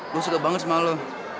gua suka banget sama lo